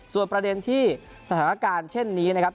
ส่วนประเด็นที่สถานการณ์เช่นนี้นะครับ